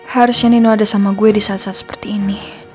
harusnya nino ada sama gue di saat saat seperti ini